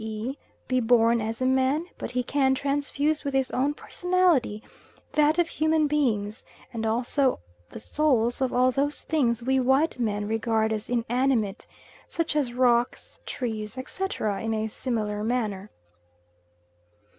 e. be born as a man, but he can transfuse with his own personality that of human beings, and also the souls of all those things we white men regard as inanimate, such as rocks, trees, etc., in a similar manner.